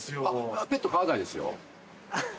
あっペット飼わないですよ。